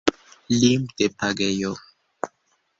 Limdepagejo!